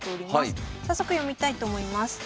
早速読みたいと思います。